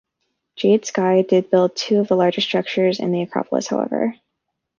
"Jade Sky" did build two of the largest structures in the acropolis, however.